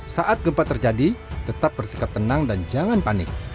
saat gempa terjadi tetap bersikap tenang dan jangan panik